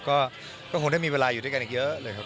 ก็คงได้มีเวลาอยู่ด้วยกันอีกเยอะเลยครับ